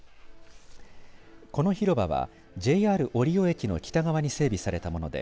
この広場はＪＲ折尾駅の北側に整備されたもので